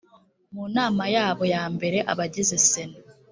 mu nama yabo ya mbere abagize sena